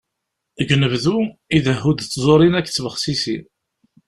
Deg unebdu, idehhu-d d tẓurin akked tbexsisin.